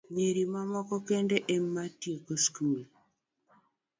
Nyiri manok kende ema tieko skul.